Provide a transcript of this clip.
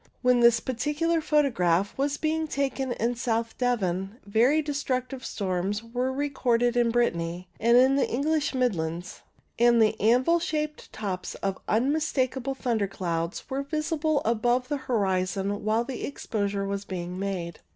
When this particular photograph was being taken in South Devon, very destructive storms were recorded in Brittany and in the English Mid lands, and the anvil shaped tops of unmistakable thunder clouds were visible above the horizon while the exposure was being made.